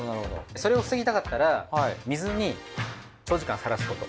それを防ぎたかったら水に長時間さらすこと。